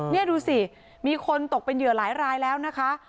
นี่ดูสิมีคนตกเป็นเหยื่อหลายรายแล้วนะคะ